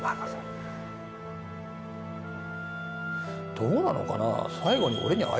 どうなのかな？